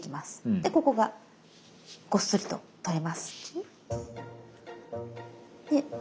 でここがごっそりと取れます。